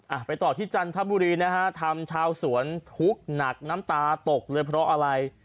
ไปต่อที่จันทบุรีนะฮะทำชาวสวนทุกข์หนักน้ำตาตกเลยเพราะอะไร